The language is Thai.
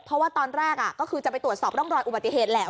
เพราะว่าตอนแรกก็คือจะไปตรวจสอบร่องรอยอุบัติเหตุแหละ